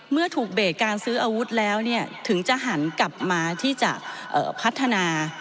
เมื่อถูกเบรกการซื้ออาวุธแล้วถึงจะหันกลับมาที่จะพัฒนา